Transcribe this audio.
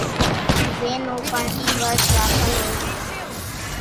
زين نون پڻ اِي ورت راکل ھوئي سي